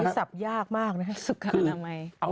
สับยากมากนะฮะสุขอนามัย